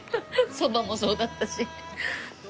そばもそうだったし。